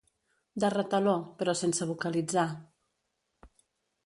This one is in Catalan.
De retaló, però sense vocalitzar.